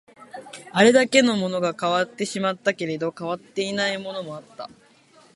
あれだけのものが変わってしまったけど、変わっていないものもあった